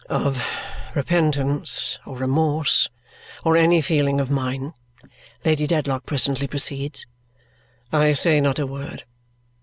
"Of repentance or remorse or any feeling of mine," Lady Dedlock presently proceeds, "I say not a word.